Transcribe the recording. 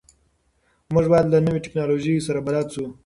موږ باید له نویو ټکنالوژیو سره بلد سو.